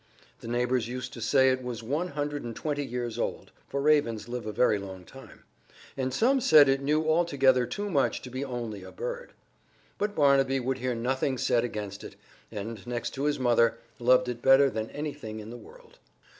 The neighbors used to say it was one hundred and twenty years old (for ravens live a very long time), and some said it knew altogether too much to be only a bird. But Barnaby would hear nothing said against it, and, next to his mother, loved it better than anything in the world.